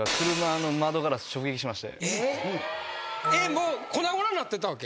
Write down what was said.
もう粉々になってたわけ？